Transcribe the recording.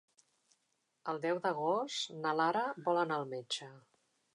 El deu d'agost na Lara vol anar al metge.